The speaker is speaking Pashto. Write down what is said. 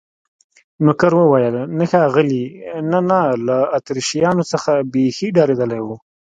نوکر وویل: نه ښاغلي، نه، نه، له اتریشیانو څخه بیخي ډارېدلی و.